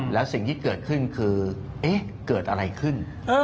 แล้วสิ่งที่เกิดขึ้นคือเกิดอะไรขึ้น